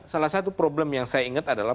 salah satu problem yang saya ingat adalah